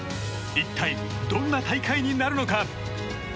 一体どんな大会になるのか？